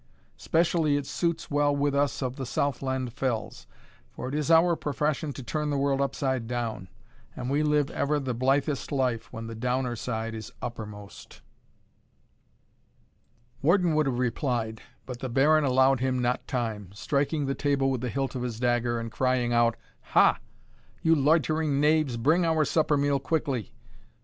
Specially it suits well with us of the Southland fells; for it is our profession to turn the world upside down, and we live ever the blithest life when the downer side is uppermost." Warden would have replied; but the Baron allowed him not time, striking the table with the hilt of his dagger, and crying out, "Ha! you loitering knaves, bring our supper meal quickly.